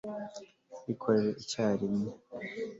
bikore icyarimwe